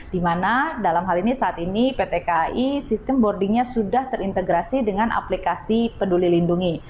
di mana dalam hal ini saat ini pt kai sistem boardingnya sudah terintegrasi dengan aplikasi peduli lindungi